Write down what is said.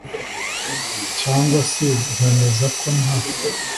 cyangwa se kwemezako nta